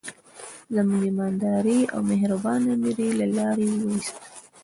زموږ ایماندار او مهربان امیر یې له لارې وایست.